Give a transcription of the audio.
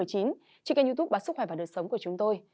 trên kênh youtube sức khỏe và đời sống của chúng tôi